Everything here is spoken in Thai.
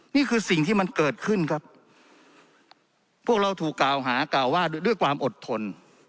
นี่คือสิ่งที่มันเกิดขึ้นครับพวกเราถูกกล่าวหากล่าวว่าด้วยความอดทน